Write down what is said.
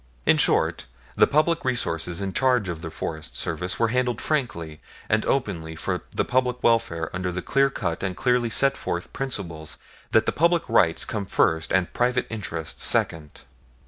In short, the public resources in charge of the Forest Service were handled frankly and openly for the public welfare under the clear cut and clearly set forth principle that the public rights come first and private interest second.